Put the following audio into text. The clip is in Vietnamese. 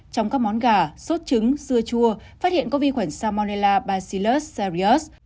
trong các món gà sốt trứng dưa chua phát hiện có vi khuẩn salmonella bacillus serrius